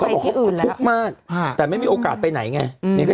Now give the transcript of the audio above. ไปที่อื่นแล้วโคตรมากฮะแต่ไม่มีโอกาสไปไหนไงอืม